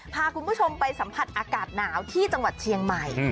พาคุณผู้ชมไปสัมผัสอากาศหนาวที่จังหวัดเชียงใหม่